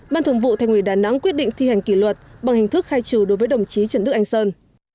ban thường vụ thành ủy đà nẵng quyết định thi hành kỷ luật bằng hình thức khai trừ đối với đồng chí trần đức anh sơn